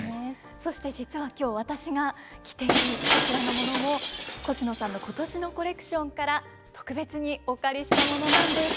そして実は今日私が着ているこちらのものもコシノさんの今年のコレクションから特別にお借りしたものなんです。